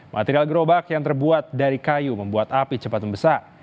material gerobak yang terbuat dari kayu membuat api cepat membesar